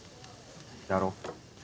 だろ。